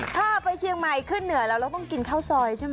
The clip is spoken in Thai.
ถ้าไปเชียงใหม่ขึ้นเหนือแล้วเราต้องกินข้าวซอยใช่ไหม